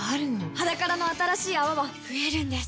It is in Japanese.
「ｈａｄａｋａｒａ」の新しい泡は増えるんです